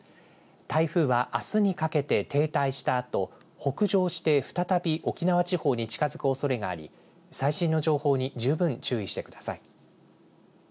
台風はあすにかけて停滞したあと北上して、再び沖縄地方に近づくおそれがあり最新の情報に十分注意してください。